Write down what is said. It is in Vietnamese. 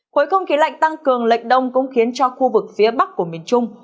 khối không khí lạnh tăng cường lệch đông cũng khiến cho khu vực phía bắc của miền trung